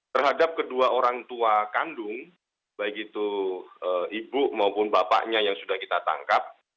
terhadap kedua orang tua kandung baik itu ibu maupun bapaknya yang sudah kita tangkap